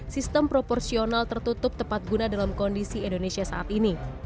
sistem proporsional tertutup tepat guna dalam kondisi indonesia saat ini